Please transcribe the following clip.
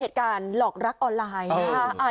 เหตุการณ์หลอกรักออนไลน์